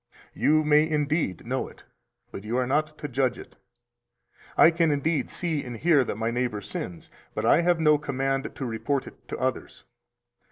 You may indeed know it, but you are not to judge it. I can indeed see and hear that my neighbor sins, but I have no command to report it to others.